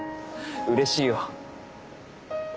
うれしいよ。